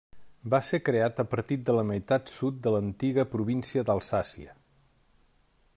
Va ser creat a partir de la meitat sud de l'antiga província d'Alsàcia.